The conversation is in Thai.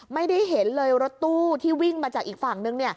ไม่ได้เห็นเลยรถตู้ที่วิ่งมาจากอีกฝั่งนึง